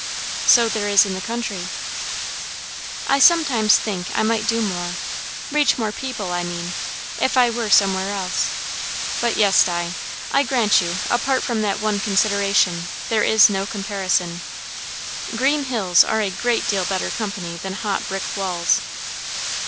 "So there is in the country." "I sometimes think I might do more, reach more people, I mean, if I were somewhere else. But yes, Di, I grant you, apart from that one consideration, there is no comparison. Green hills are a great deal better company than hot brick walls."